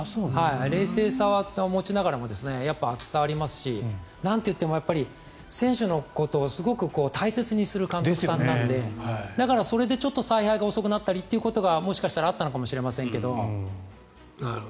冷静さは保ちながらもやっぱり熱さがありますしなんといっても選手のことをすごく大切にする監督さんなのでだから、それで采配が遅くなったりってことももしかしたらあったのかもしれませんけど。